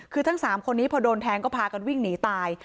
คือทั้ง๓คนนี้พอโดนแทงก็พากันวิ่งหนีตาย